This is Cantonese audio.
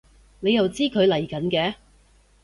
你又知佢嚟緊嘅？